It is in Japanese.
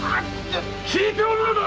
聞いておるのだ‼